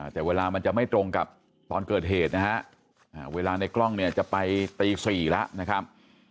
แต่เวลามันจะไม่ตรงกับตอนเกิดเหตุนะฮะเวลาในกล้องเนี่ยจะไปตี๔แล้วนะครับ